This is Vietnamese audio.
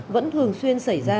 vẫn thường xuyên xảy ra